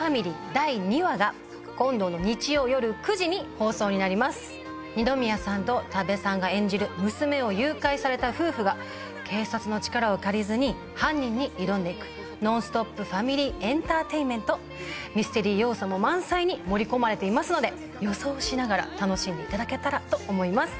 第２話が今度の日曜夜９時に放送になります二宮さんと多部さんが演じる娘を誘拐された夫婦が警察の力を借りずに犯人に挑んでいくノンストップファミリーエンターテインメントミステリー要素も満載に盛り込まれていますので予想しながら楽しんでいただけたらと思います